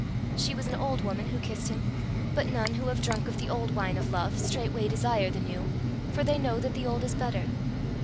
She was an old woman who kissed him; but none who have drunk of the old wine of love, straightway desire the new, for they know that the old is better.